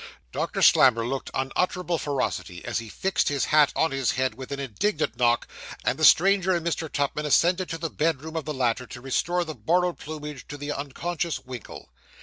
Doctor Slammer looked unutterable ferocity, as he fixed his hat on his head with an indignant knock; and the stranger and Mr. Tupman ascended to the bedroom of the latter to restore the borrowed plumage to the unconscious Winkle.